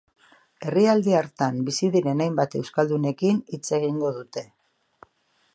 Herrialde hartan bizi diren hainbat euskaldunekin hitz egingo dute.